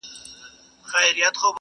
• شپه د چيغو شاهده وي..